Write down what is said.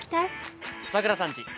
桜さんち。